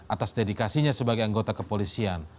atas dedikasinya sebagai anggota kepolisian